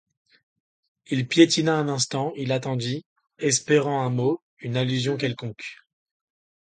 Il piétina un instant, il attendit, espérant un mot, une allusion quelconque.